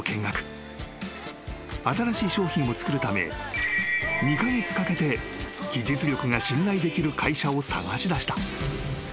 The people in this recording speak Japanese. ［新しい商品を作るため２カ月かけて技術力が信頼できる会社を探し出した］